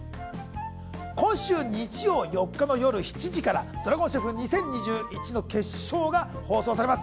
今週日曜４日の夜７時から「ＤＲＡＧＯＮＣＨＥＦ２０２１」の決勝が放送されます。